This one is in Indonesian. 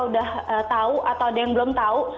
udah tahu atau ada yang belum tahu